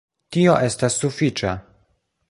Tio estas sufiĉa...